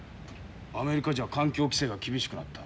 アメリカじゃ環境規制が厳しくなった。